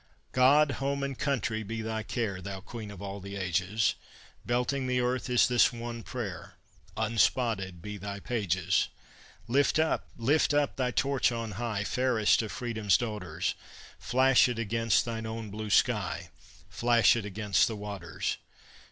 God, home, and country be thy care, Thou queen of all the ages! Belting the earth is this one prayer: Unspotted be thy pages! Lift up, lift up thy torch on high, Fairest of Freedom's daughters! Flash it against thine own blue sky, Flash it across the waters!